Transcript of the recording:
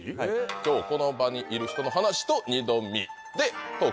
「今日この場にいる人のハナシ」と「二度見」でトーク。